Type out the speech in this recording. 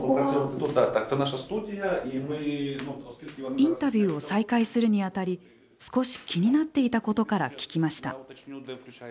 インタビューを再開するにあたり少し気になっていたことから聞きました。